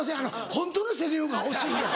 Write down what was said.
ホントのセリフが欲しいんです。